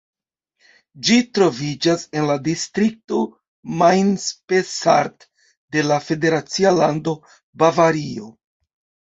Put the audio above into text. Ĝi troviĝas en la distrikto Main-Spessart de la federacia lando Bavario.